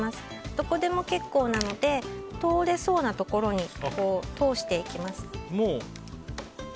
どこでも結構なので通れそうなところに通していきます。